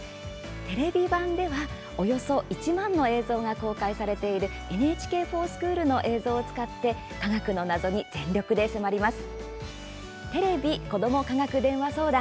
テレビ版では、およそ１万の映像が公開されている「ＮＨＫｆｏｒＳｃｈｏｏｌ」の映像を使って科学の謎に全力で迫ります。